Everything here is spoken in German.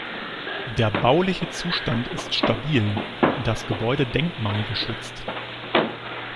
Der bauliche Zustand ist stabil, das Gebäude denkmalgeschützt.